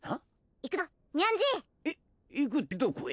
行くってどこへ？